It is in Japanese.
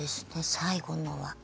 最後のは。